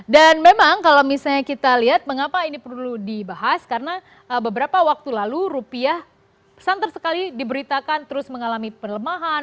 dan memang kalau misalnya kita lihat mengapa ini perlu dibahas karena beberapa waktu lalu rupiah pesan tersekali diberitakan terus mengalami pelemahan